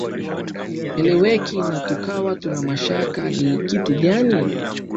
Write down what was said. eleweki na tukawa tuna mashaka ni kitu gani